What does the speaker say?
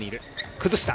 崩した。